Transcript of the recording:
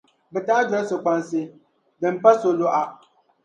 bɛ taɣi doli so’ kpansi, din pa so’ lɔɣu.